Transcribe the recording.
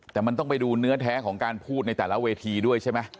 แต่มันต้องไปดูเนื้อแท้ของการพูดในแต่ละเวทีด้วยใช่ไหม